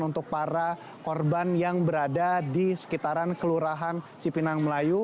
untuk para korban yang berada di sekitaran kelurahan cipinang melayu